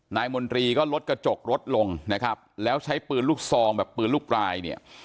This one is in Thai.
มนตรีก็ลดกระจกรถลงนะครับแล้วใช้ปืนลูกซองแบบปืนลูกปลายเนี่ย